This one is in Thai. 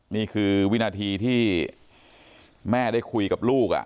นี่คือวินาทีที่แม่ได้คุยกับลูก